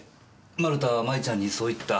丸田は麻衣ちゃんにそう言った。